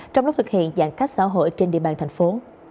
trong lúc thực hiện giãn cách xã hội trên địa bàn thành phố